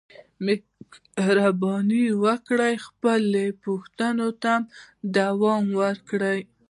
مهرباني وکړئ خپلو پوښتنو ته ادامه ورکړئ.